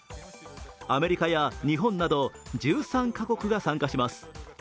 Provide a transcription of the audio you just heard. アメリカや日本など１３カ国が参加します。